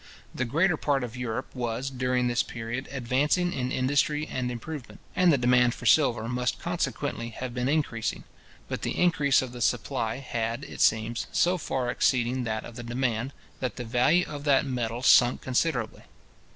The greater part of Europe was, during this period, advancing in industry and improvement, and the demand for silver must consequently have been increasing; but the increase of the supply had, it seems, so far exceeded that of the demand, that the value of that metal sunk considerably.